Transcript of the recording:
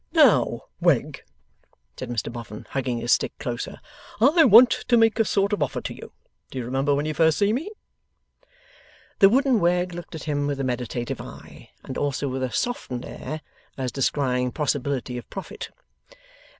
'Now, Wegg,' said Mr Boffin, hugging his stick closer, 'I want to make a sort of offer to you. Do you remember when you first see me?' The wooden Wegg looked at him with a meditative eye, and also with a softened air as descrying possibility of profit.